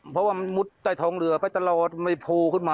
เพราะว่ามันมุดใต้ท้องเรือไปตลอดมันโพขึ้นมา